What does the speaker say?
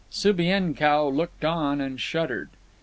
Subienkow looked on, and shuddered.